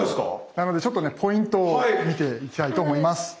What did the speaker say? なのでちょっとねポイントを見ていきたいと思います。